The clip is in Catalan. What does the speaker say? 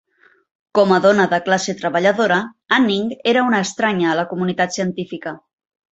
Com a dona de classe treballadora, Anning era una estranya a la comunitat científica.